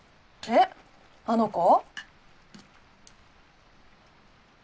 えっあの子？